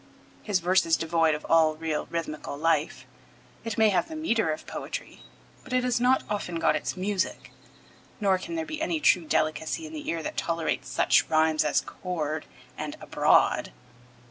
His verse is devoid of all real rhythmical life; it may have the metre of poetry, but it has not often got its music, nor can there be any true delicacy in the ear that tolerates such rhymes as 'chord' and 'abroad.'